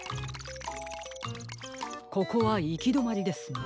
ここはいきどまりですね。